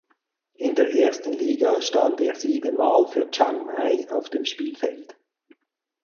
In der ersten Liga stand er siebenmal für Chiangmai auf dem Spielfeld.